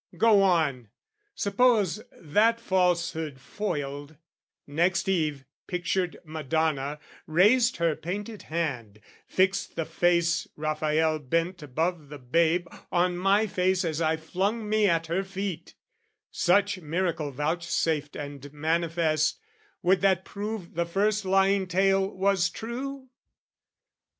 Go on! Suppose, that falsehood foiled, next eve Pictured Madonna raised her painted hand, Fixed the face Rafael bent above the Babe, On my face as I flung me at her feet: Such miracle vouchsafed and manifest, Would that prove the first lying tale was true?